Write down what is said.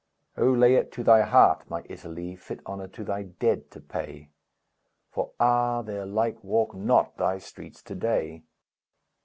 Oh, lay it to thy heart, my Italy, Fit honor to thy dead to pay; For, ah, their like walk not thy streets to day!